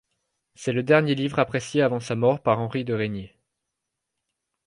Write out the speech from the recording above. C'est le dernier livre apprécié avant sa mort par Henri de Régnier.